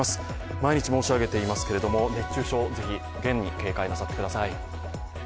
毎日申し上げていますけど、熱中症、是非警戒をなさってください。